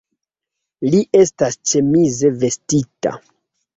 Li estas ĉemize vestita.